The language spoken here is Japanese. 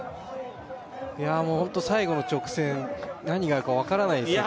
いやあもうホント最後の直線何があるか分からないですね